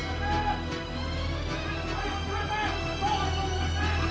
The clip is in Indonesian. udah ternyata mpinggir pet